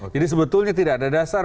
jadi sebetulnya tidak ada dasar